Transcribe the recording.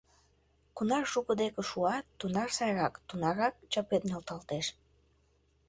Кунар шуко деке шуат, тунар сайрак, тунарак чапет нӧлталтеш.